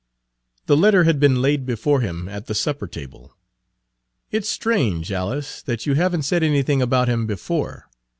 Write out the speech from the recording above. The letter had been laid before him at the supper table. "It 's strange, Alice, that you have n't said anything about him before.